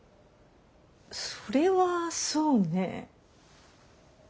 それはそうね。